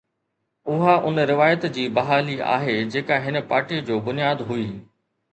اُها اُن روايت جي بحالي آهي، جيڪا هن پارٽيءَ جو بنياد هئي.